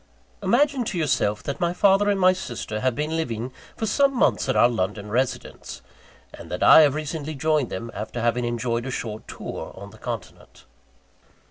Imagine to yourself that my father and my sister have been living for some months at our London residence; and that I have recently joined them, after having enjoyed a short tour on the continent.